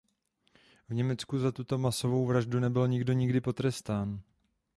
V Německu za tuto masovou vraždu nebyl nikdy nikdo potrestán.